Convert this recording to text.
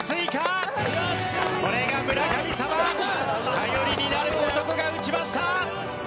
頼りになる男が打ちました！